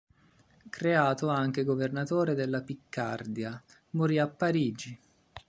Creato anche governatore della Piccardia, morì a Parigi.